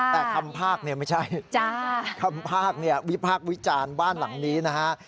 แต่คำภาคไม่ใช่คำภาคนี่วิภาควิจารณ์บ้านหลังนี้นะฮะ